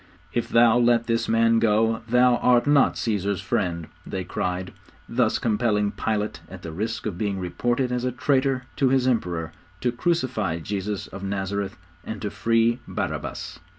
'If thou let this Man go, thou art not Caesar's friend,' they cried, thus compelling Pilate, at the risk of being reported as a traitor to his Emperor, to crucify Jesus of Nazareth, and to free Barabbas.